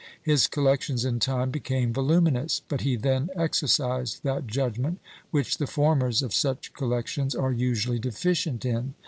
His collections in time became voluminous, but he then exercised that judgment which the formers of such collections are usually deficient in.